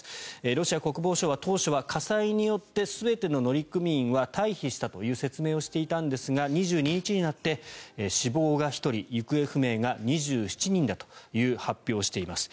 ロシア国防省は当初は火災によって全ての乗組員は退避したという説明をしていたんですが２２日になって死亡が１人行方不明が２７人だという発表をしています。